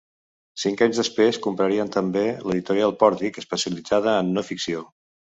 Cinc anys després comprarien també l'editorial Pòrtic, especialitzada en no ficció.